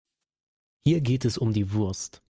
Hier geht es um die Wurst.